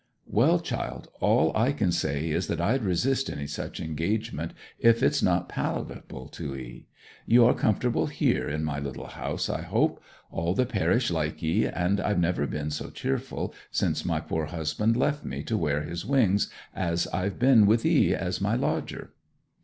'Well, child, all I can say is that I'd resist any such engagement if it's not palatable to 'ee. You are comfortable here, in my little house, I hope. All the parish like 'ee: and I've never been so cheerful, since my poor husband left me to wear his wings, as I've been with 'ee as my lodger.'